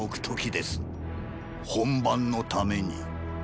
本番のために。